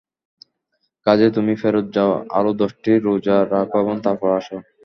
কাজেই তুমি ফেরত যাও, আরো দশটি রোযা রাখ এবং তারপর আস।